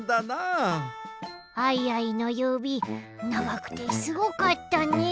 アイアイのゆびながくてすごかったねえ。